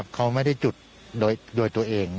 เขาไม่ได้จุดโดยตัวเอง